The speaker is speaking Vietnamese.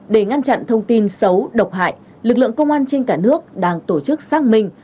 để ngăn chặn thông tin xấu độc hại lực lượng công an trên cả nước đang tổ chức xác minh